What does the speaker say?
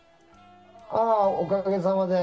ああ、おかげさまで。